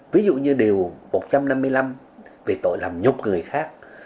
ví dụ như điều một trăm năm mươi năm về tội làm nhục người khác